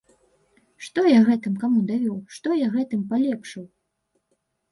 Што я гэтым каму давёў, што я гэтым палепшыў?